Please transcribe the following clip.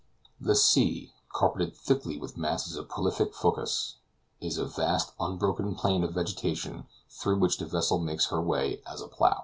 The sea, carpeted thickly with masses of prolific fucus, is a vast unbroken plain of vegetation, through which the vessel makes her way as a plow.